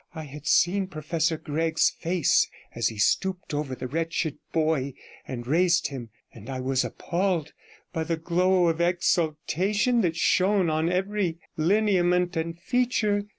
I had seen Professor Gregg's face as he stooped over the wretched boy and raised him, and I was appalled by the glow of exultation that shone on every lineament and feature.